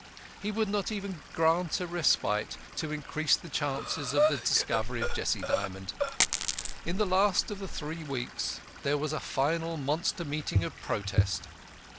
He would not even grant a respite, to increase the chances of the discovery of Jessie Dymond. In the last of the three weeks there was a final monster meeting of protest.